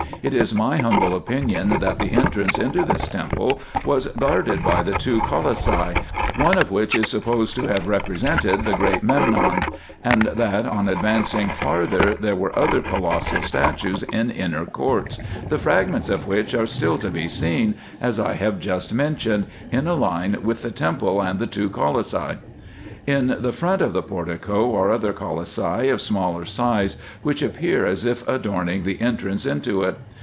It is my humble opinion, that the entrance into this temple was guarded by the two colossi, one of which is supposed to have represented the Great Memnon ; and that on advancing farther there were other colossal statues in inner courts, the fragments of winch are still to be seen, as I have just mentioned, in a line with the temple and the two colossi. In the front of the portico are other colossi, of smaller size, which appear as if adorning the entrance into it.